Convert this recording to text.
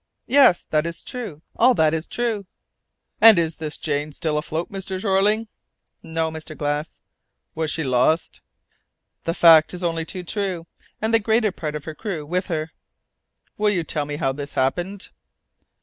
"Yes; that is true, all that is true." "And is the Jane still afloat, Mr. Jeorling?" "No, Mr. Glass." "Was she lost?" "The fact is only too true, and the greater part of her crew with her." "Will you tell me how this happened?"